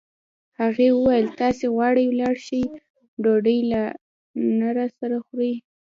هغې وویل: تاسي غواړئ ولاړ شئ، ډوډۍ لا نه راسره خورئ.